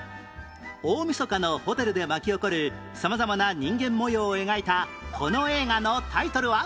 大晦日のホテルで巻き起こる様々な人間模様を描いたこの映画のタイトルは？